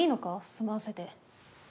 住まわせて。